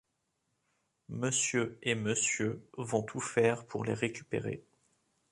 Monsieur et Monsieur vont tout faire pour les récupérer.